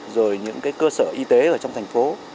rồi những cơ sở y tế ở trong thành phố